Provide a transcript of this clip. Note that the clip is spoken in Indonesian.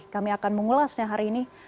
kami akan mengulasnya hari ini